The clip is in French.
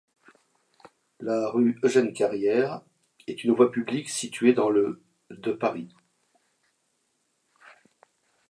La rue Eugène-Carrière est une voie publique située dans le de Paris.